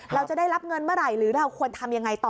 เราจะได้รับเงินเมื่อไหร่หรือเราควรทำยังไงต่อ